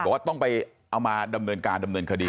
บอกว่าต้องไปเอามาดำเนินการดำเนินคดี